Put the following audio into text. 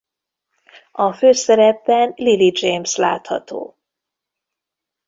A főszerepben Lily James látható.